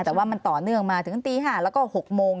แต่ว่ามันต่อเนื่องมาถึงตี๕แล้วก็๖โมง